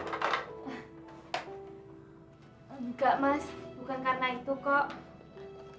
enggak mas bukan karena itu kok